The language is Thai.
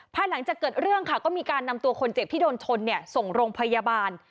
หลังจากเกิดเรื่องค่ะก็มีการนำตัวคนเจ็บที่โดนชนส่งโรงพยาบาล